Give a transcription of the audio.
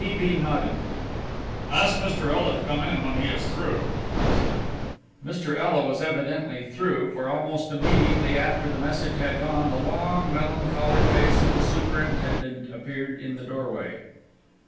T. B. nodded. "Ask Mr. Ela to come in when he is through," he said. Mr. Ela was evidently "through," for almost immediately after the message had gone, the long, melancholy face of the superintendent appeared in the doorway.